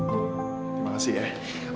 terima kasih ya